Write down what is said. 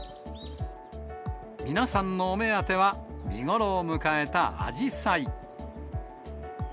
皆さんのお目当ては、見頃を迎えたアジサイ。